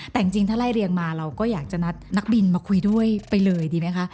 แต่จริงถ้าไล่เรียงมาเราก็อยากจะนัดนักบินมาคุยด้วยไปเลยดีไหมคะ